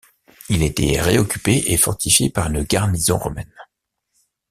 Il a été réoccupé et fortifié par une garnison romaine.